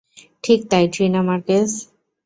ঠিক তাই, Trina Marquez.